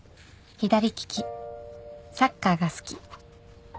「左利きサッカーが好き」